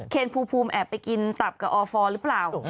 ภูมิภูมิแอบไปกินตับกับออฟอร์หรือเปล่า